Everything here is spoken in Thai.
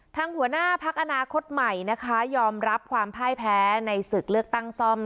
หัวหน้าพักอนาคตใหม่นะคะยอมรับความพ่ายแพ้ในศึกเลือกตั้งซ่อม